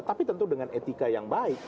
tapi tentu dengan etika yang baik